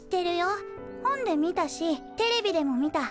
本で見たしテレビでも見た。